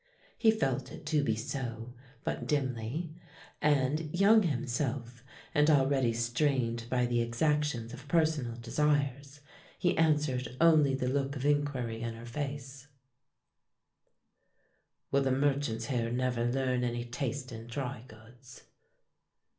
He felt it to be so, but dimly; and, young himself and already strained by the exactions of personal desires, he answered only the look of inquiry in her face, "Will the merchants here never learn any taste in dry goods?"